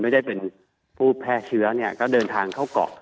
ไม่ได้เป็นผู้แพร่เชื้อเนี่ยก็เดินทางเข้าเกาะ